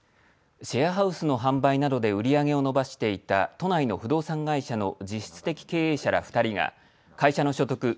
シェアハウスの販売などで売り上げを伸ばしていた都内の不動産会社の実質的経営者ら２人が会社の所得